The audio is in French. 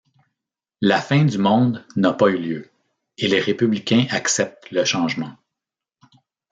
La fin du monde n'a pas eu lieu et les républicains acceptent le changement.